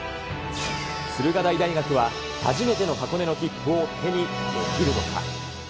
駿河台大学は初めての箱根の切符を手にできるのか。